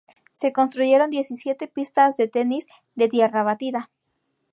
Se construyeron diecisiete pistas de tenis de tierra batida.